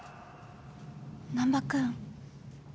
難破君。